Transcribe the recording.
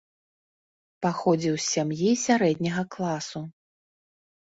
Паходзіў з сям'і сярэдняга класу.